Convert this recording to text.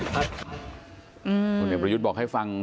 ผลเอกประยุทธ์บอกให้ฟัง